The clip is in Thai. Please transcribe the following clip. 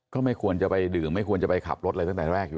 ก็ไม่ควรจะไปดื่มไม่ควรจะไปขับรถอะไรตั้งแต่แรกอยู่